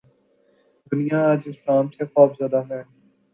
: دنیا آج اسلام سے خوف زدہ ہے۔